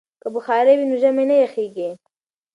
که بخارۍ وي نو ژمی نه یخیږي.